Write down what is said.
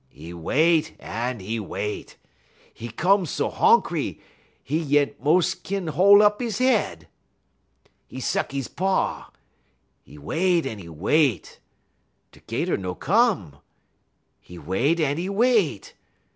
'E wait en 'e wait. 'E 'come so honkry 'e yent mos' kin hol' up 'e head. 'E suck 'e paw. 'E wait en 'e wait. Da 'Gator no come. 'E wait en 'e wait.